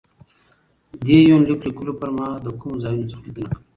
دې يونليک ليکلو په مهال له کومو ځايونو څخه ليدنه کړې